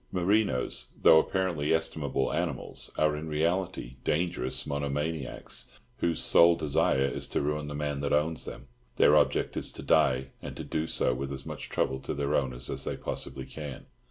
Merinos, though apparently estimable animals, are in reality dangerous monomaniacs, whose sole desire is to ruin the man that owns them. Their object is to die, and to do so with as much trouble to their owners as they possibly can.